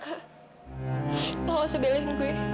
kamu harus belain gue